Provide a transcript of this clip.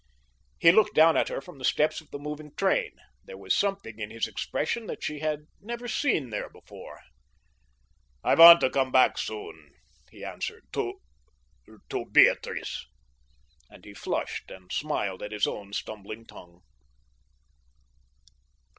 He looked down at her from the steps of the moving train. There was something in his expression that she had never seen there before. "I want to come back soon," he answered, "to—to Beatrice," and he flushed and smiled at his own stumbling tongue.